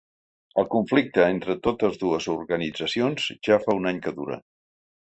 El conflicte entre totes dues organitzacions ja fa un any que dura.